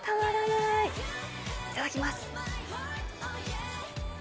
いただきます。